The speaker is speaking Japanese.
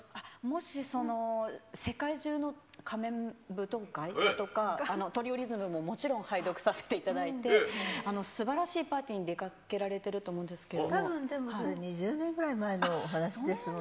もし世界中の仮面舞踏会とか、トリオリズムももちろん拝読させていただいて、すばらしいパーティーに出かけられていると思うんですけど。